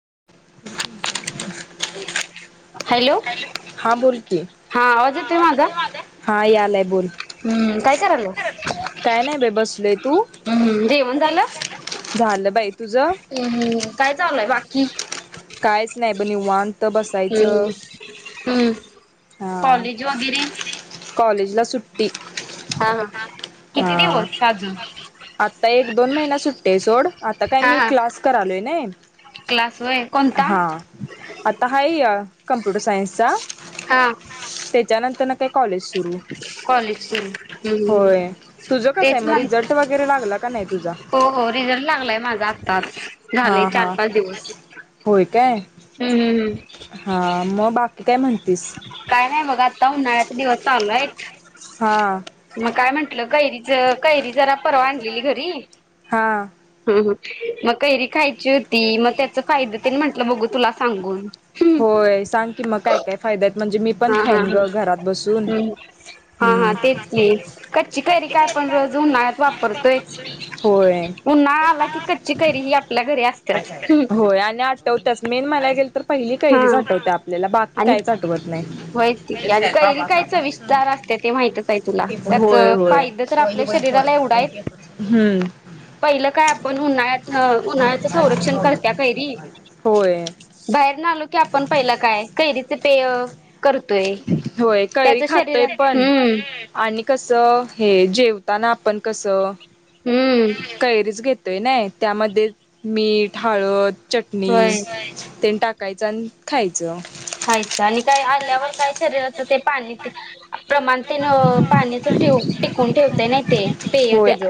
[unintelligible] हां बोलकी. हां आवाज येतोय माझा? हां यालाय बोल. हम्म काय करायल्यास? काय नाही बाई बसलोय तू हम्म जेवण झालं? झालं बाई तुझं अम्म हम्म काय चालूय बाकी? कायच नाही ब निवां हम्म हम्म हम्म. हा कॉलेज वगैरे? कॉलेजला सुट्टी. हा हा किती हां दिवस अजून [unintelligible] आता एक दोन महिना सुट्टी आहे सोड आता काय हा मी हा क्लास करालोय नाही. क्लास होय कोणता हां आता हाय या कंप्युटर सायन्सचा. हां. तय कॉलेज सुरू. कॉलेज सुरू होवून होय तुझं कसं तेच आहे मग म्हणते, रिझल्ट वगैरे लागला का नाही तुझा हो हो रिझल्ट लागलाय माझा आताच हा हा होय काय? हम्म हम्म हा मग बाकी काय म्हण काय नाही बघ आज? आता उन्हाळ्याचे दिवस चालू हाईत हा म काय म्हंटलं? कैरीच, कैरी जरा परवा आणलेली घरी हा. म कैरी खाय ची होती, मग त्याच फायद तेन म्हंटलं, बघू तुला सांगून. होय सांग की मग काय काय फायदा आहेत म्हणजे मी पण हा हा खाईन ह ग घरात बसून ह् हा हा हम्म तेच की, कच्ची कैरी काय आपण है रोज उन्हाळ्यात वापरतोयच. होय उन्हाळा आला की, कच्ची कैरी ही आपल्या घरी अस--मकक होय आणि आठवत्याच, मेन म्हणाय गेल तर पहिली हा कैरीच आठवत्या आपल्याला बाकी आणि काहीच आठवत नाही व्हयच ती की आणि कैरी काय चविस्तर असतिया ते माहितच हाय तुला. त्याच होय होय फायद तर आपल्या शरीराला एवढा हाईत, हम्म पहिलं काय आपण उन्हाळ्यात न उन्हाळ्यात तेज संरक्षण करत्या कैरी, होय बाहेर ऊन्हात आलो की, आपल पहिलं काय? कैरीच पेय. करतोय होय कैरी त्याच खातय शरीरात पण हम्म आणि कसं हे जेवताना आपण कसं हम्म कैरीच घे तय नाहय त्यामध्ये मीठ हळद चटणी होय तेन टाकायचं आणि खायचं. खायचं आणि काय आ त्यावर काय शरीराच ते पाणी ते प्रमाण तेन पाण्याच ट्यू कोण ठेवतय नाय ते. पेय होय त्याच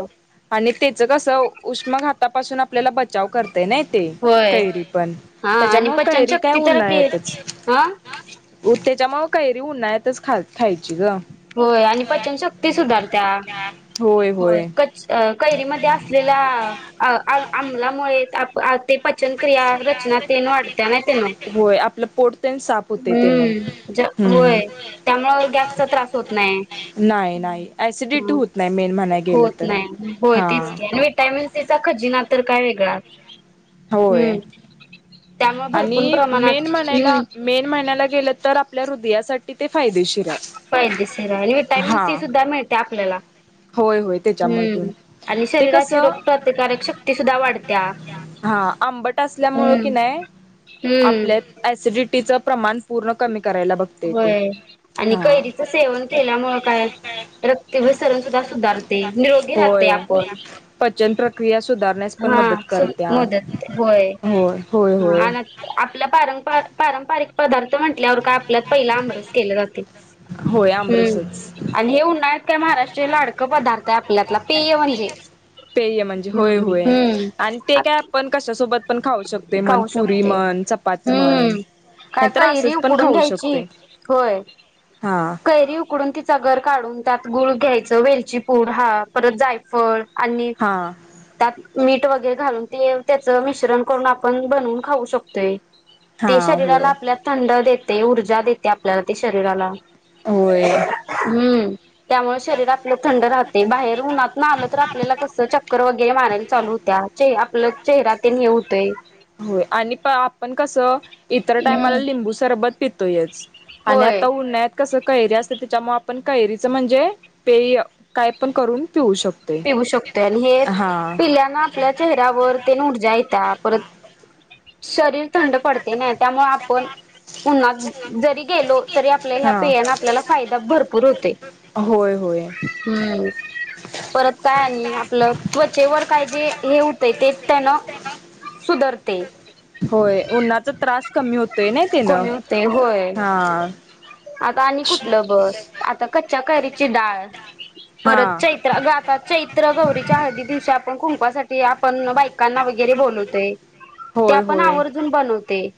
आणि त्याच कसं उष्मखा तपासून आपल्याला बचाव कर नाय ते होय कैरी पण हा आणि त्याच्यामुळ पचन कैरी काय शक्ती तर के उन्हाळ्यातच हा त्याच्यामु कैरी ती उन्हाळ्यातच खाल खाय होय आणि पचनशक्ती सुधारत्या. होय कच कैरीमध्ये असलेल्या आमलामुळे आप आ ते पचन क्रिया रचना तेन वाढत्या नाय त्यानं. ल पोट तेन साफ होतय तेन हम्म, ज होय हम्म. त्यामु गॅसचा त्रास होत नाय. पाय होत नाय. होय तेच हा. की विटामिन सीचा खजिना तर काय वेगळाच. हे [inaudible] होय. हम्म. त्यामुळे भरपूर आणि मेन प्रमाणात मनायला हम्म मेन महिन्याला गेलं तर आपल्या यासाठी फायदेर विटामिन हा सी सुद्धा मिळते आपल्याला होय होय त्याच्यामधून आणि ते शरीराची कसं रोगप्रतिकारक शक्ती सुद्धा वाढत्या. हमम. क नाय आपल्यात असिडिटीच प्रमाण पूर्ण क होय आणि कैरीच सेवन केल्यामुळे काय रक्तभिसरण सुद्धा सुधारतय निरोगी राहतय होय आपण. पचन प्रक्रिया सुधारण्यास पण हा मदत सु करत्या मदत, होय होय हा होय आपला पार पारंप पारिक पदार्थ म्हण आपल्यावर का आपल्या पहिला आंमरस केला जाते, होय हम्म आमरसच आणि हे उन्हाळ्यात काय महाराष्ट्राला लाडकं पदार्थ आहे आपल्यातलं पेय म्हणजे पेय म्हणजे होय, होय. हम्म आणि ते काय आत आपण कशा सोबत पण खाऊ शकतो, मण खाऊ पुरी शकते म्हण, चपाती म्हण, हम्म काय नाही तर कैरी असच पण उकडून खाऊ घ्यायची शकतोय, होय हा. कैरी उकडून, तिचा गर काढून त्यात गुळ घ्यायचं, वेलची पूड हा परत जायफळ आणि हा त्यात मीठ वगैर रे घालून ते त्याच मिश्रण करून आपण बनवून खाऊ शकतोय. हा ते शरीराला होय आपल्या थंड देत ते ऊर्जा देते आपल्याला ते शरीराला होय हम्म त्यामुळे शरीर आपलं थंड राहते बाहेर उन्हात न आल तर आपलेला कस च कर वगैरे मारायला चालू होत्या, चे आपला चेहरा ते ने होतोय होय आणि प आपण कस इतर टायमाला हम्म लिंबू सरबत पित तोयच आणि होय आता उन्हाळ्यात कसं कैरी असते त्याच्यामुळे आपण कैरीचं म्हणजे पेय काय पण करून पिऊ शकतोय. पिऊ शकतो आणि हे हा. पिल्यान आपल्या चेहऱ्यावर तेन ऊर्जा येत परत शरीर थंड पडते नाही त्यामुळे आपण नाय जरी गेलो तरी आपल्या ह्या हा. पेयाने आपल्याला फायदा भरपूर होतोय. होय होय [unintelligible] परत काय आणि आपलं त्वचेवर काय जे हे होतें ते त्यान सुधारते होय उन्हाचा त्रास कमी होतोय ना तेनं कमी होते होय हा. आता आणि कुठलं बर आता कच्च्या कयरीची डाळ हा परत चैत्र आता चैत्र गौरीच्या हळदी दिवशी आपण कुंकवासाठी आपण बायकांना वगैरे बोलवतोय त्या होय आपण होय. आवर्जून बनवते.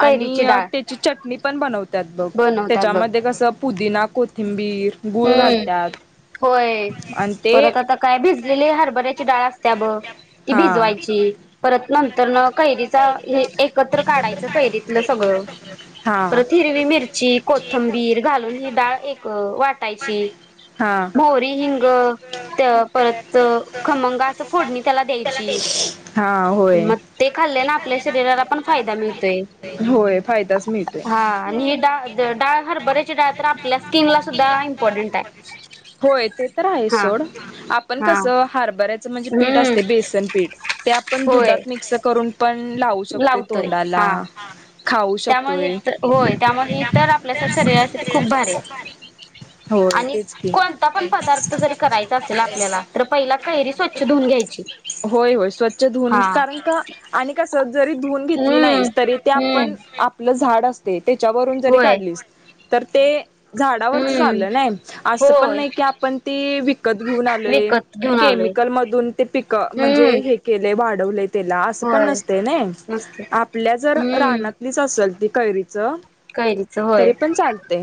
कैरीची आणि डाळ त्याची चटणी पण बनवतात. बघ बनवतात बघ त्याच्यामध्ये कसं पुदिना, कोथिंबीर, गूळ हम्म, घालतात. होय आणि ते परत आता काय भिजलेली हरभऱ्याची डाळ असते ब ती हा भिजवायची परत नंतर न कैरीचा हे एकत्र काढायचं कैरीतलं सगळं हा परत हिरवी मिरची, कोथंबीर घालून ही डाळ एक वाटायची हा मोहरी, हिंग त्या परत खमंगा असं फोडणी त्याला द्याय ची, हा होय. मग खाल्ल्याने आपल्या शरीराला पण फायदा मिलतोय, होय फायदाच मिळतोय. ही डाळ द हरभऱ्याची डाळ तर आपल्या स्किनला सुद्धा इम्पॉर्टंट आहे होय ते तर आहे हा सोड आपण हा कसं हार्बरया चा म्हणजे पीठ अस हम्म ते बेसन पीठ आपण होय दुधात मिक्स करून पण लावू शकते लावतोय तोंडाला. हा खाऊ त्यामुळे हे शकतोय तर होय त्यामुळे हे तर आपल्या शरीरासाठी खूप भारी आहे होय आणि तेच की कोणता पण पदार्थ जरी करायचा असेल आपल्याला तर पहिला कैरी स्वच्छ धुवून घ्यायची. होय होय स्वचछ हा धुवूनच कारण का आणि कसं जरी धुवून घेतली हम्म नाहीस तरी ते आपण हम्म आ पलं झाड असते. त्याच्यावरून जरी होय काढलीस तर ते झाडावरच हम्म झालं नाही असं पण होय नाही की आपण ते विकत घेऊन आलोय विकत घेऊन आलोय केमिकल मधून ते पिकं म्हणजे हम्म हे केले वाढवले. तेला असं पण होय नसते ना मस्त आपल्या जर हम्म रानातलीच असेल ती कैरी कैरीच होय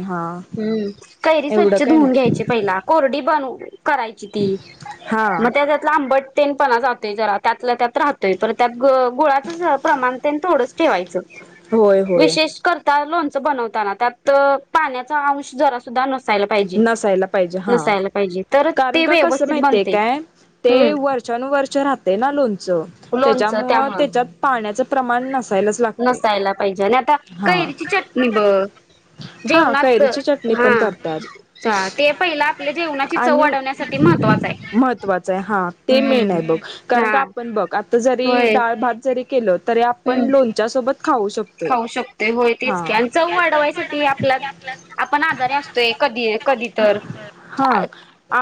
हा हम्म कैरी एवढं स्वच्छ काय धुऊून नाही घ्यायची पहिला कोरडी बनवू करायची ती हा मग त्याच्यातलं आंबट तेन पणा जातोय जरा त्यातलं त्यात राहतोय पर त्यात ग गुळाचं प्रमाण तेन थोडंच ठेवायचं. होय होय. त्या लोणच बनवताना त्यात पाण्याचा अंश जरा सुद्धा नस नसायला पाहिजे हा पाहिजे तरच कारण ते का कसं व्यवस्थित माहितय बनते काय ते हम्म वर्षानुवर्ष चा राहते ना लोन चा लोणचं त्याच्यामुळे त्यामुळं त्याच्यात पाण्याचा प्रमाण नस- नसायला पाहिजे, आणि आता कैरीची चटणी बघ हा जेवणात कैरीची चटणी हा! पण करतात ते पहिलं आपल्या जेवणाची चव आणि वाढवण्यासाठी महत्त्वाचं आहे. महत्वाच आहे हा ते मेन हम्म. आहे बघ कारण का हा आपण बघ आता जरी होय डाळ भात केल तरी आपण हम्म लोणच्यासोबत खाऊ शकतोय खाऊ शकतोय होय तेच हां. का चव वाढवायसाठी, आपला आपण आजारी असतोय कधी! कधी तर हा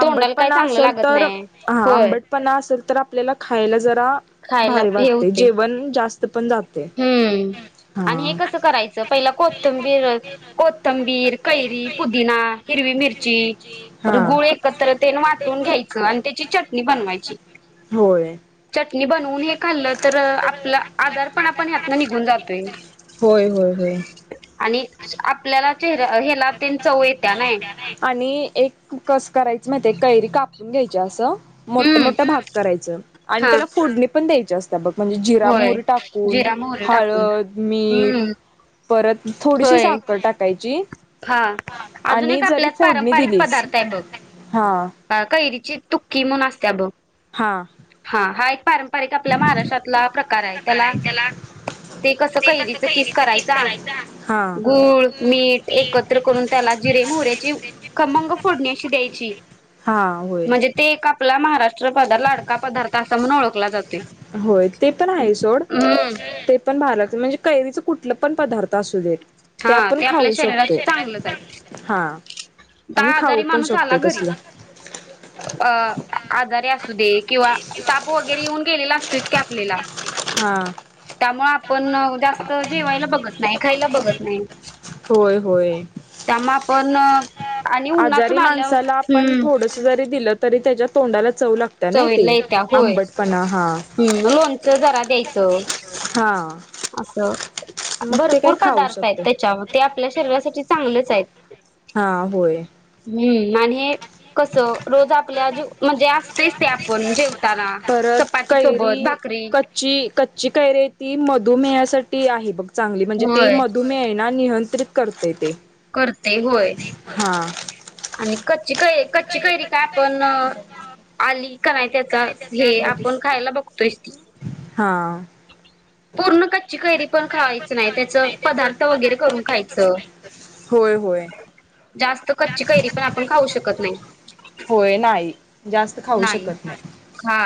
तोंडाला काय चांगलं असेल लागत तर नाही हा होय आंबटपणा असेल तर आपल्याला खायला जरा खायला भारी हे वाटते होते जेवण जास पंन जा हम्म आणि हे कसं करायचं पहिला कोथंबीर, कोथंबीर, कैरी, पुदिना हिरवी मिर ची, हा. गुळ, एकत्र वाटून घ्यायच त्याची चट नि बनवायची. होय चटणी बनवून हे खाल्लं तर आपला आजार पण आपण यातन निघून जातोय. होय होय होय. आपल्याला हेला तेन चव येत्या नाय कसं करायचं माहिते? कैरी कापून घ्यायच्या असं मोठ हम्म मोठ भाग करायचं. आणि हा त्याला फोडणी पण द्यायची. त्या बघ म्हणजे जिरा, होय मोहरी टाकून जिरा मोहरी टाकून हळद, मीठ हम्म परत थोडीशी होय साखर टाकायची. हा अजून आणि एक जरी आपल्यात फोडणी पारंपारिक दिलीच पदार्थ आहे. बघ हा ह कैरीची तूकि असतीया बघ हां हा एक पारंपारिक पारंपरिक आपल्या महाराष्ट्रातला प्रकार आहे त्याला ते कसं कैरीच किस करायचा. हा गूळ, मीठ एकत्र करून त्याला जिरे, मोहऱ्याची खमंग फोडणी अशी द्यायची हा होय म्हणजे ते एक आपला म राष्ट्रपद लाडका पदार्थ अस म्हणून ओळखला जातो. होय ते पण आहे सोड हम्म ते पण भार म्हणजे कैरीच कुठलं पण पदार्थ असू देत. हा आपण ते आपल्या खाऊ शरीराात शकतो चांगलंच हा आणि आहे खाऊ आजारी पण माणूस आला शकतोय घरी तसलं आजारी दे किंवा तापू वगैरे येऊन गेलेला असतो इतक आपल्याला हां. त्यामुळे आपण जास्त जेवायला बघत नाही खायला बघत नाही. होय होय. पण आजारी माणसाला आपण थोडस जरी दिलं. री त्याच्या तोंडाला चव लागते नाही चवयला ते येत्या होय आंबटपणा हा ह् लोनच जरा द्यायचं. हा. असं. मग ते काय भरपूर खाऊ पदार्थ आहेत शकते त्याच्यावर ते आपल्या शरीरासाठी चांगलेच आहेत. हा होय. हम्म मण कस रोज आप म्हणे च ते आपण जेवताना परत चपाती कैरी सोबत भाकरी कच्ची कच्ची कैरी ती म तुमी यासाठी आहे बघ. चांगली म्हणजे ते होय मधुमेळ ना निह च्र करते ते. करते होय. हा आणि कच्ची कैरी कच्ची कैरी काय आपण आली का नाही त्याचा कोण खायला बघतोय. हा. पूर्ण कच्ची कैरी पण खावायच नाही त्याच पदार्थ वगैरे करून खायचं होय होय जास्त कच्ची कैरी पण आपण खाऊ शकत नाही होय नाही जास्त खाऊ नाही शकत हा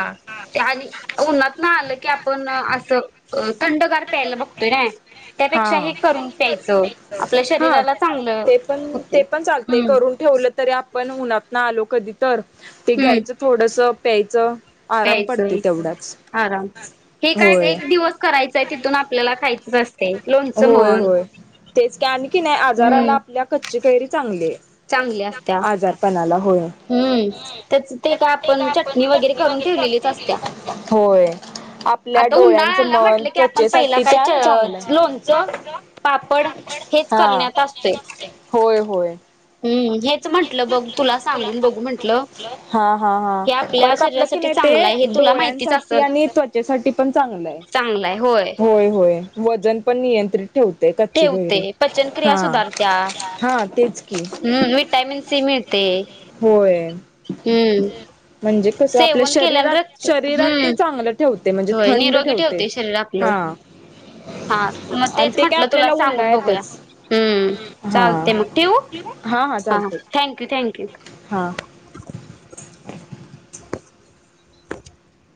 आणि उन्हात ना आलं की आपण [inaudible] अ थंडगार प्यायला बघतोय ना. त्यापेक्षा हा हे करून प्यायचं आपल्या हा शरीराला चांगलं ते पण होते ते पण चालते ह. करून ठेवलं तरी आपण उन्हातना आलो कधी तर ते घ्यायचं थोडस प्यायचं आराम पडते यायचं तेवढाच आराम. हे काय होय एक दिवस करायचंय तिथून आपल्याला खायचं असत होय. होय. तेच कि आणि की नाही, आजाराला हम्म आपल्या कच्ची कैरी चांगलीए. चांगली असत्या आजार पणात होय. हम्म. त्याच ते काय आपण चटणी वगैरे करून ठेवलेलीच असत्या. होय आपल्या आता उन्हाळा डोळ्यांचं आला मन, म्हटलं की आपण पहिला त्वचेसाठी काय त्या च चांगल्या लोणचं, पापड हेच हा करण्यात असतोय. होय होय हम्म. हेच म्हंटलं बघ तुला सांगून बघू म्हंटलं हा. हा. हे हा. परत आपल्या कि शरीरासाठी नाही चांगलं आहे हे ते तुला माहितीच डोळ्यांसाठी असल आणि त्वचेसाठी... पण चांगलंय चांगलं आहे होय होय. वजन पण नियंत्रित ठेवते कच्ची कैरी ठेवते हा. हा. ते हम् व्हिट्यामीन्स सी मीळते होय. म्हणजे कस आपल्या सेवन केल्यान शरीरात रक्त शरीरात ते हम्म चांगलं ठेवत. होय निरोगी ठेवते शरीर आपलं. हा. मग आणि तेच ते काय म्हटलं तुला आपल्याला सांगून बघूया. उन्हाळ्यातच हम् हा चालते मग ठेवू? हा. Thank you thank you. हा. [inaudible]